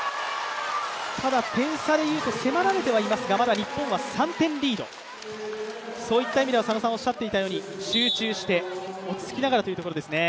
ただ点差でいうと迫られてはいますがまだ日本は３点リード、そういった意味では、佐野さんがおっしゃっていたように集中して、落ち着きながらといったところですね。